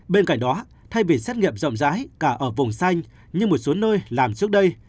bên cạnh đó thay vì xét nghiệm rộng rãi cả ở vùng xanh như một số nơi làm trước đây